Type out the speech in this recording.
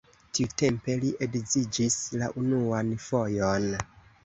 Tiutempe li edziĝis la unuan fojon.